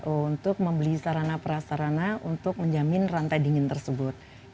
untuk membeli sarana prasarana untuk menjamin rantai dingin tersebut